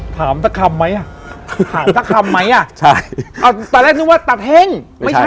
ถามสักคำไหมอะตอนแรกนึกว่าตะเท่งไม่ใช่เหรอ